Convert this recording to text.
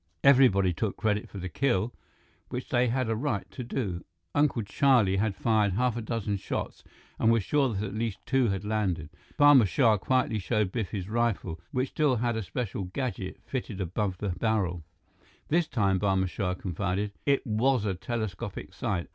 Everybody took credit for the kill, which they had a right to do. Uncle Charlie had fired half a dozen shots and was sure that at least two had landed. Barma Shah quietly showed Biff his rifle, which still had a special gadget fitted above the barrel. "This time," Barma Shah confided, "it was a telescopic sight.